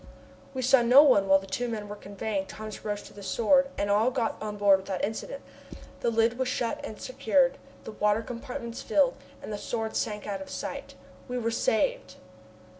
We saw no one while the two men were conveying Thomas Roch to the Sword, and all got on board without incident. The lid was shut and secured, the water compartments filled, and the Sword sank out of sight. We were saved!